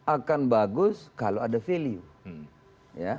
akan bagus kalau ada value